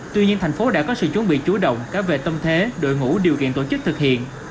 tuy nhiên thành phố đã có sự chuẩn bị chú động cả về tâm thế đội ngũ điều kiện tổ chức thực hiện